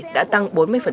đã tăng bốn mươi